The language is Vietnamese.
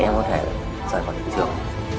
để em có thể rời khỏi hiện trường